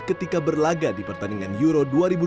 ketika berlaga di pertandingan euro dua ribu dua puluh